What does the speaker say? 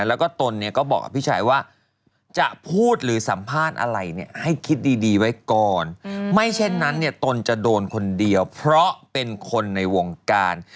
แล้วก็ตนเนี่ยก็บอกพี่ชายว่าจะพูดหรือสัมภาษณ์อะไรเนี่ยให้คิดดีไว้ก่อนไม่เช่นนั้นเนี่ยตนจะโดนคนเดียวเพราะเป็นคนในวงการ